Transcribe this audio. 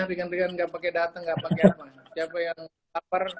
ringan ringan gak pakai data gak pakai apa apa